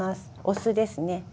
お酢ですね。